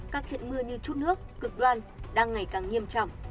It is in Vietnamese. các trận mưa như chút nước cực đoan đang ngày càng nghiêm trọng